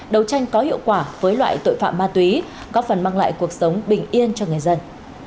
đấu tranh có hiệu quả với loại tội phạm ma túy góp phần mang lại cuộc sống bình yên cho người dân